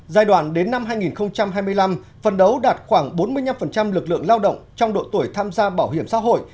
giai đoạn đến năm hai nghìn hai mươi năm phân đấu đạt khoảng bốn mươi năm lực lượng lao động trong độ tuổi tham gia bảo hiểm xã hội